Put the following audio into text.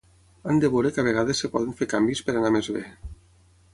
Han de veure que a vegades es poden fer canvis per anar més bé.